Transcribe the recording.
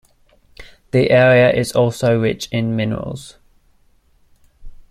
The area is also rich in minerals.